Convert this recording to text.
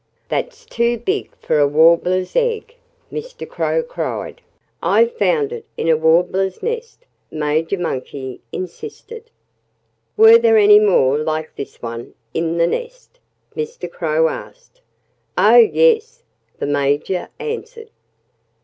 "That's too big for a Warbler's egg!" Mr. Crow cried. "I found it in a Warbler's nest," Major Monkey insisted. "Were there any more like this one in the nest?" Mr. Crow asked. "Oh, yes!" the Major answered.